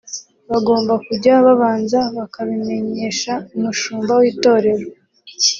bagomba kujya babanza bakabimenyesha umushumba w’Itorero